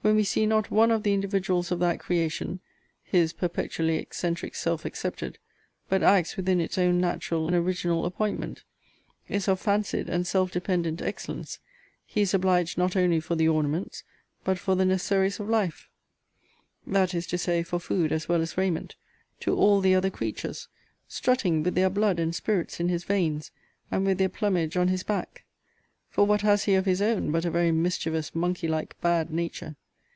When we see not one of the individuals of that creation (his perpetually eccentric self excepted) but acts within its own natural and original appointment: is of fancied and self dependent excellence, he is obliged not only for the ornaments, but for the necessaries of life, (that is to say, for food as well as raiment,) to all the other creatures; strutting with their blood and spirits in his veins, and with their plumage on his back: for what has he of his own, but a very mischievous, monkey like, bad nature!